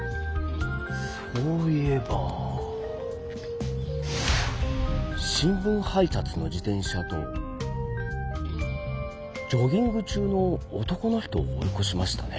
そういえば新聞配達の自転車とジョギング中の男の人を追いこしましたね。